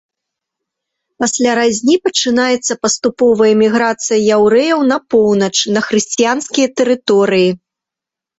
Пасля разні пачынаецца паступовая эміграцыя яўрэяў на поўнач, на хрысціянскія тэрыторыі.